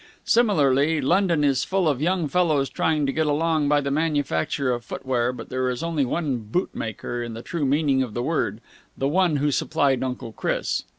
Similarly, London is full of young fellows trying to get along by the manufacture of foot wear, but there is only one boot maker in the true meaning of the word the one who supplied Uncle Chris.